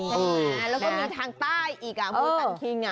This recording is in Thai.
ใช่ไหมแล้วก็มีทางใต้อีกมุมสันคิง